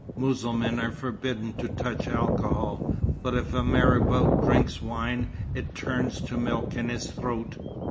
Mussulmans are forbidden to touch alcohol, but if a marabout drinks wine, it turns to milk in his throat.